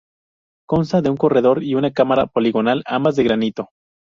Consta de un corredor y una cámara poligonal, ambas de granito.